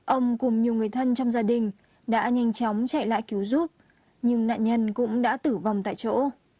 ông cùng nhiều người thân trong gia đình đã nhanh chóng chạy lại cứu giúp nhưng nạn nhân cũng đã tử vong tại chỗ